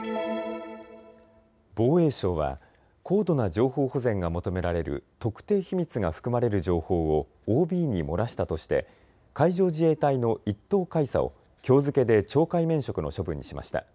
防衛省は高度な情報保全が求められる特定秘密が含まれる情報をＯＢに漏らしたとして海上自衛隊の１等海佐をきょう付けで懲戒免職の処分にしました。